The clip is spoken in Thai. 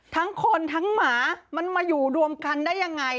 ทั้งคนทั้งหมามันมาอยู่รวมกันได้ยังไง